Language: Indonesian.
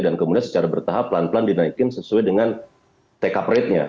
dan kemudian secara bertahap pelan pelan dinaikin sesuai dengan take up rate nya